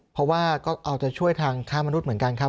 เพราะว่าก็เอาจะช่วยทางค้ามนุษย์เหมือนกันครับ